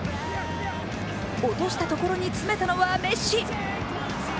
落としたところに詰めたのはメッシ。